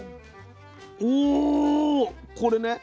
おこれね。